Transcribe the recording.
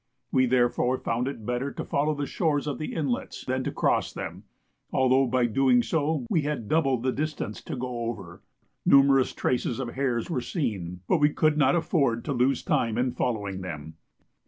We therefore found it better to follow the shores of the inlets than to cross them, although by doing so we had double the distance to go over. Numerous traces of hares were seen, but we could not afford to lose time in following them.